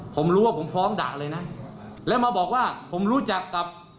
ผมรู้ว่าผมฟ้องด่าเลยนะแล้วมาบอกว่าผมรู้จักกับ